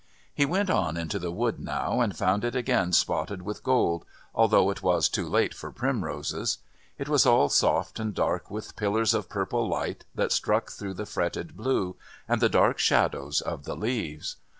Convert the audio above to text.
He went on into the wood now and found it again spotted with gold, although it was too late for primroses. It was all soft and dark with pillars of purple light that struck through the fretted blue, and the dark shadows of the leaves.